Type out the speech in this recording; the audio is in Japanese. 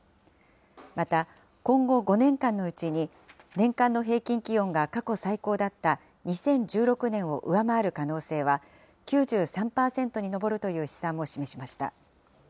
また、今後５年間のうちに年間の平均気温が過去最高だった２０１６年を上回る可能性は９３％に上るという試算も示しました。